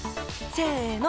せの！